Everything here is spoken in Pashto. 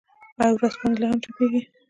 آیا ورځپاڼې لا هم چاپيږي؟